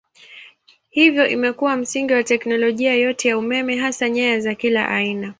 Hivyo imekuwa msingi wa teknolojia yote ya umeme hasa nyaya za kila aina.